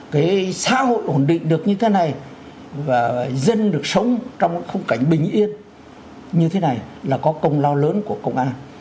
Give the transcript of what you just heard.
cái xã hội ổn định được như thế này và dân được sống trong những khung cảnh bình yên như thế này là có công lao lớn của công an